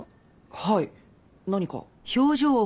はい。何か？